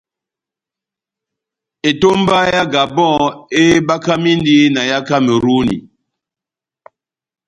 Etomba yá Gabon ebakamindi na yá Kameruni.